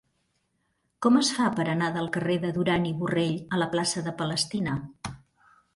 Com es fa per anar del carrer de Duran i Borrell a la plaça de Palestina?